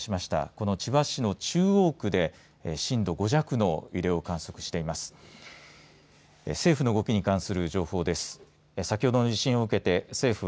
この千葉市の中央区で震度５弱の揺れを観測しています。